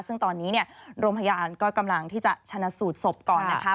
ซึ่งตอนนี้โรงพยาบาลก็กำลังที่จะชนะสูตรศพก่อนนะคะ